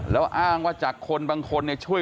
แล้วอ้างว่าจากคนบางคนช่วยหรือไม่ช่วย